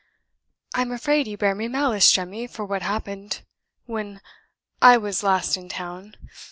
"I'm afraid you bear me malice, Jemmy, for what happened when I was last in town.